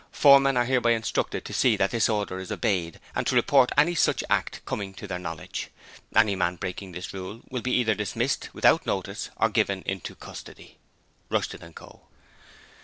Foremen are hereby instructed to see that this order is obeyed and to report any such act coming to their knowledge. Any man breaking this rule will be either dismissed without notice or given into custody. Rushton & Co.